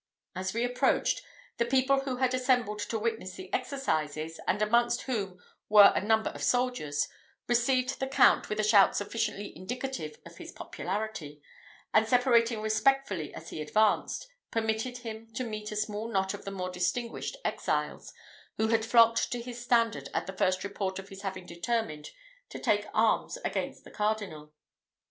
As we approached, the people who had assembled to witness the exercises, and amongst whom were a number of soldiers, received the Count with a shout sufficiently indicative of his popularity, and separating respectfully as he advanced, permitted him to meet a small knot of the more distinguished exiles, who had flocked to his standard at the first report of his having determined to take arms against the cardinal.